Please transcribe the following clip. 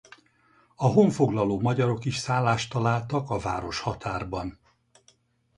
A honfoglaló magyarok is szállást találtak a városhatárban.